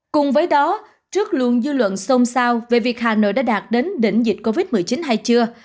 cùng với đó trước luôn dư luận xôn xao về việc hà nội đã đạt đến đỉnh dịch covid một mươi chín hay chưa